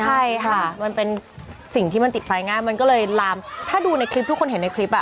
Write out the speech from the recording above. ใช่ค่ะมันเป็นสิ่งที่มันติดไฟง่ายมันก็เลยลามถ้าดูในคลิปทุกคนเห็นในคลิปอ่ะ